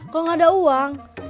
kalau nggak ada uang